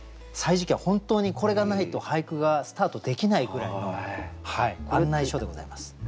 「歳時記」は本当にこれがないと俳句がスタートできないぐらいの案内書でございます。